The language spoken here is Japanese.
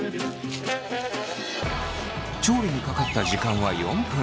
調理にかかった時間は４分。